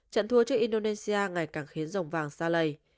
trận thua trước indonesia ngày càng khiến dòng vàng xa lầy